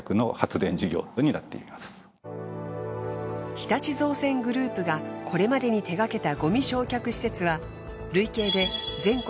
日立造船グループがこれまでに手がけたごみ焼却施設は累計で全国